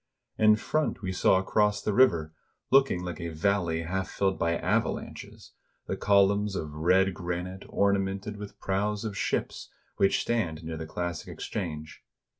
In front we saw across the river, looking like a valley half filled by avalanches, the columns of red granite ornamented with prows of ships, which stand near the classic exchange.